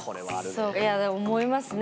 そうかいやでも思いますね。